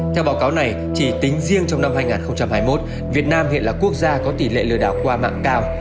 theo báo cáo này chỉ tính riêng trong năm hai nghìn hai mươi một việt nam hiện là quốc gia có tỷ lệ lừa đảo qua mạng cao